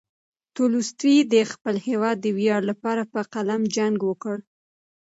تولستوی د خپل هېواد د ویاړ لپاره په قلم جنګ وکړ.